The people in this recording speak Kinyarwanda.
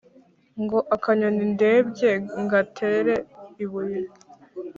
ngo akanyoni ndebye ngatere ibuye